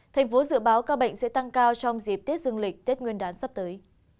thành phố dự báo ca bệnh sẽ tăng cao trong dịp tết dương lịch tết nguyên đán sắp tới